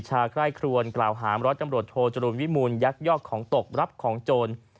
โจรุนวิมูลยักษ์ยอกของตกรับของโจร